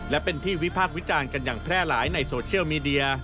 และเป็นที่วิพากษ์วิจารณ์กันอย่างแพร่หลายในโซเชียลมีเดีย